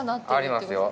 ありますよ。